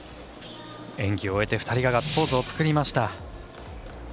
演技を終えて２人がガッツポーズ作りました。